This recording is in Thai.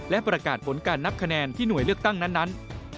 และประกาศผลการนับคะแนนที่หน่วยเลือกตั้งนั้น